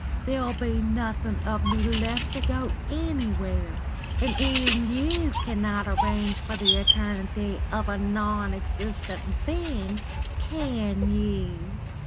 There'll be nothing of me left to go anywhere; and even you cannot arrange for the eternity of a non existent being, can you?